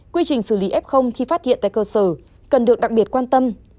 quy trình xử lý f khi phát hiện tại cơ sở cần được đặc biệt quan tâm